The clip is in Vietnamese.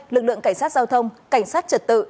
lực lượng cảnh sát giao thông cảnh sát trật tự